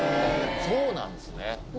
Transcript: そうなんすね。